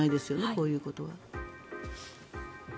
こういうことで。